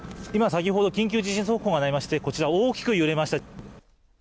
先ほど緊急地震速報が鳴りまして、こちら大きく揺れました。